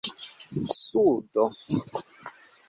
sudo